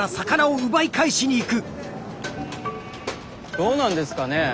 どうなんですかね？